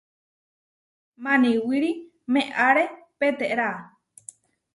Maniwíri meʼáre peterá.